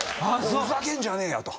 「ふざけんじゃねえよ」と。